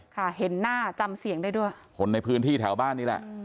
ค่ะเห็นหน้าจำเสียงได้ด้วยคนในพื้นที่แถวบ้านนี่แหละ